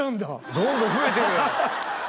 どんどん増えてるよ